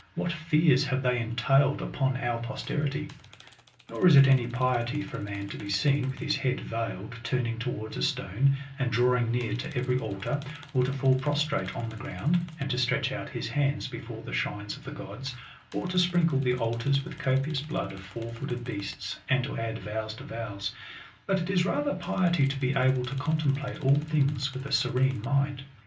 what fears have they entailed upon our posterity ! Nor is it any piety for a man to be seen, unth his head veiled, turning towards a stone, and drawing near to every altar ; or to fall prostrate on the ground, and to stretch out his hands before the shrines of the gods ; or to sprinkle the altars with copious blood of four footed beasts, and to add vows to vows ; but it is rather piety to be able to contemplate all things with a serene mind.